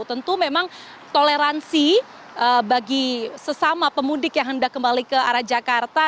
tentu memang toleransi bagi sesama pemudik yang hendak kembali ke arah jakarta